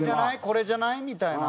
これじゃない？みたいな。